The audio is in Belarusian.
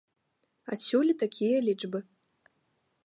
Адсюль і такія лічбы.